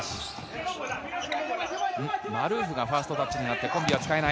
マルーフがファーストタッチになってコンビは使えない。